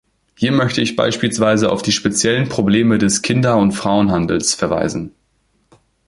Hier möchte ich beispielsweise auf die speziellen Probleme des Kinder- und Frauenhandels verweisen.